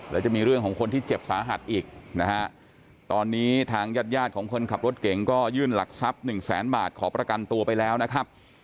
แล้วจะมีเรื่องของคนที่เจ็บสาหัสอีกนะฮะตอนนี้ทางญาติยาดของคนขับรถเก่งก็ยื่นหลักทรัพย์หนึ่งแสนบาทขอประกันตัวไปแล้วนะครับ